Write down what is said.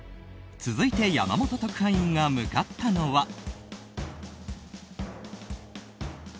続いて山本特派員が向かったのは。